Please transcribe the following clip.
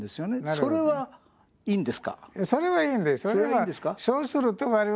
それはいいんです。